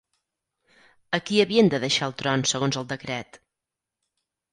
A qui havien de deixar el tron segons el decret?